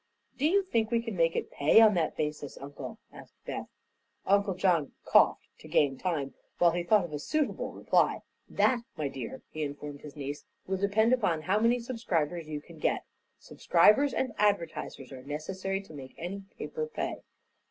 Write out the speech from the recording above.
"Do you think we can make it pay on that basis, Uncle?" asked Beth. Uncle John coughed to gain time while he thought of a suitable reply. "That, my dear," he informed his niece, "will depend upon how many subscribers you can get. Subscribers and advertisers are necessary to make any paper pay."